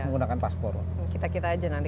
menggunakan paspor kita kita aja nanti